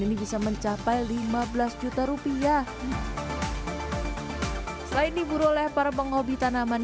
ini bisa mencapai lima belas juta rupiah selain diburu oleh para penghobi tanaman